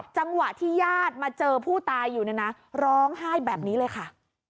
จังหวะที่ญาติมาเจอผู้ตายอยู่เนี่ยนะร้องไห้แบบนี้เลยค่ะ